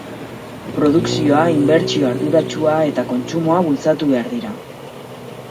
Produkzioa, inbertsio arduratsua eta kontsumoa bultzatu behar dira.